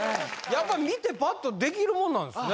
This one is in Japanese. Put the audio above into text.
やっぱ見てパッとできるもんなんですね